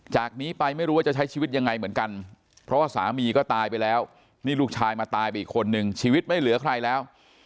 จากนี้ไปไม่รู้ว่าจะใช้ชีวิตยังไงเหมือนกันเพราะว่าสามีก็ตายไปแล้วนี่ลูกชายมาตายไปอีกคนนึงชีวิตไม่เหลือใครแล้ว